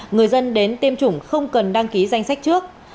người dân đến tiêm chủng không cần đăng ký danh sách trước